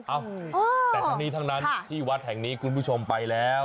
เอ้าแต่ทั้งนี้ทั้งนั้นที่วัดแห่งนี้คุณผู้ชมไปแล้ว